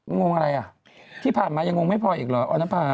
งงอะไรอ่ะที่ผ่านมายังงงไม่พออีกเหรอออนภา